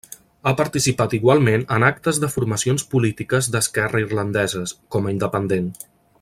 Ha participat igualment en actes de formacions polítiques d'esquerra irlandeses, com a independent.